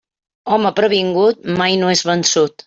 Home previngut mai no és vençut.